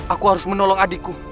aku harus menolong adikku